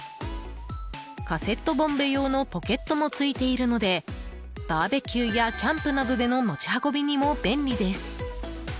カセットボンベ用のポケットもついているのでバーベキューやキャンプなどでの持ち運びにも便利です。